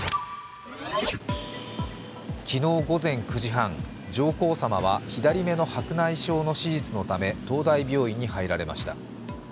昨日午前９時半、上皇さまは左目の白内障の手術のため東大病院に入られました。